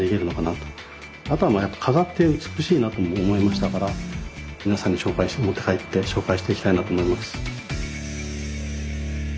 より一層遊びにあとはまあ飾って美しいなとも思いましたから皆さんに持って帰って紹介していきたいなと思います。